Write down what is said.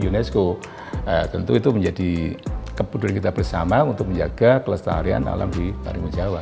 unesco tentu itu menjadi kebutuhan kita bersama untuk menjaga kelestarian alam di parimun jawa